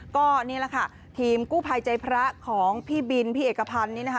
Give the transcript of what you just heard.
ก็นี่แหละค่ะทีมกู้ภัยใจพระของพี่บินพี่เอกพันธ์นี่นะคะ